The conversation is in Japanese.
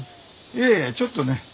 いやいやちょっとね。